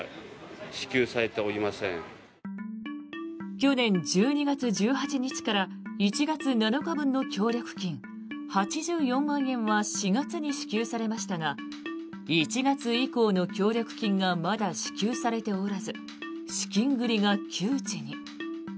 去年１２月１８日から１月７日分の協力金８４万円は４月に支給されましたが１月以降の協力金がまだ支給されておらず資金繰りが窮地に。